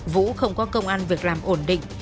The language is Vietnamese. vũ không có công an việc làm ổn định